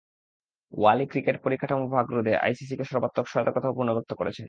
ওয়ালি cricket পরিকাঠামোর ভাগ রোধে আইসিসিকে সর্বাত্মক সহায়তার কথাও পুনর্ব্যক্ত করেছেন।